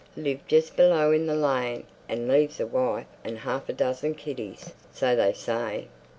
Lived just below in the lane, and leaves a wife and half a dozen kiddies, so they say."